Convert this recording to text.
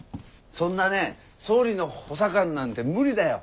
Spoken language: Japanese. そんなね総理の補佐官なんて無理だよ。